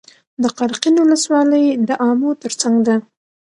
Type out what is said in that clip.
د قرقین ولسوالۍ د امو تر څنګ ده